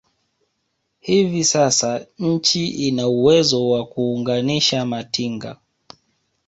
Hivi sasa nchi ina uwezo wa kuunganisha matinga